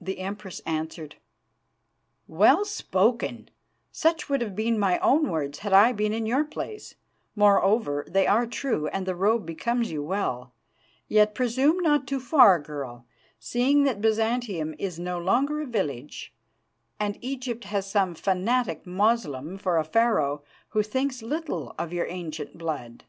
"The Empress answered: 'Well spoken! Such would have been my own words had I been in your place. Moreover, they are true, and the robe becomes you well. Yet presume not too far, girl, seeing that Byzantium is no longer a village, and Egypt has some fanatic Moslem for a Pharaoh, who thinks little of your ancient blood.